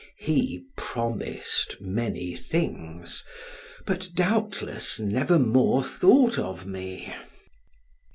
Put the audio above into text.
He promised many things, but doubtless never more thought of me.